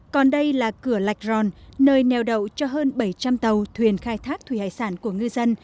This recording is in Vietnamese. còn đây là cửa lạch ròn nơi neo đậu cho hơn bảy trăm linh tàu thuyền khai thác thủy hải sản của ngư dân